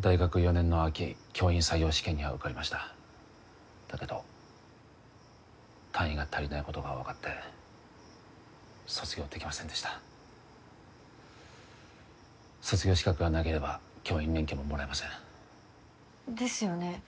大学４年の秋教員採用試験には受かりましただけど単位が足りないことが分かって卒業できませんでした卒業資格がなければ教員免許ももらえませんですよね